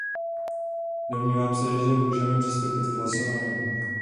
Domnívám se, že můžeme přistoupit k hlasování.